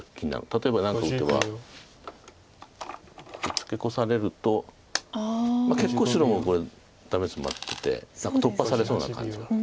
例えば何か打てばツケコされると結構白もこれダメツマってて突破されそうな感じが。